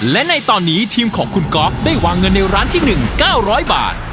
และในตอนนี้ทีมของคุณก๊อฟได้วางเงินในร้านที่๑๙๐๐บาท